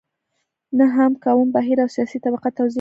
نه هم کوم بهیر او سیاسي طبقه توضیح کوي.